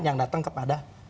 yang datang kepada